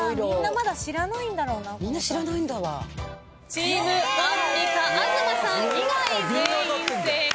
チームアンミカ東さん以外全員正解。